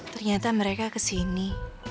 ternyata mereka kesini